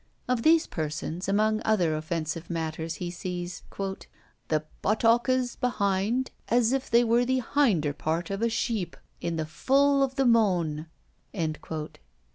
Of these persons, among other offensive matters, he sees "the buttokkes behind, as if they were the hinder part of a sheap, in the ful of the mone."